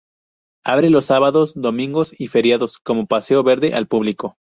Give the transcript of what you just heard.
Abre los sábados, domingos y feriados como paseo verde al público.